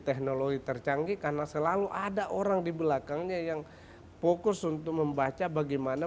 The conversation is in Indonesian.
teknologi tercanggih karena selalu ada orang di belakangnya yang fokus untuk membaca bagaimana